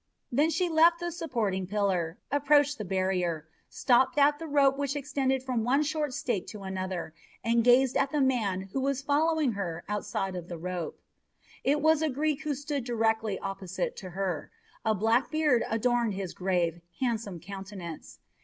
Then she left the supporting pillar, approached the barrier, stopped at the rope which extended from one short stake to another, and gazed at the man who was following her outside of the rope. It was a Greek who stood directly opposite to her. A black beard adorned his grave, handsome countenance.